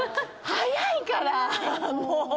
早いからもう。